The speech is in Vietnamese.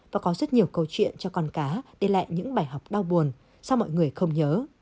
và có rất nhiều câu chuyện cho con cá để lại những bài học đau buồn do mọi người không nhớ